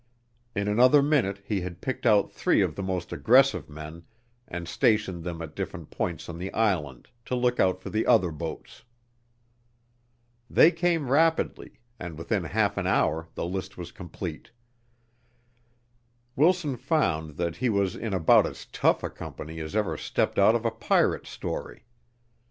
In another minute he had picked out three of the most aggressive men and stationed them at different points on the island to look out for the other boats. They came rapidly, and within half an hour the list was complete. Wilson found that he was in about as tough a company as ever stepped out of a pirate story.